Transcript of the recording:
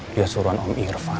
dia suruhan om irfan